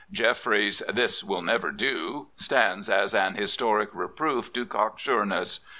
Jeffrey's " This will never do " stands as an historic reproof to cocksure ness.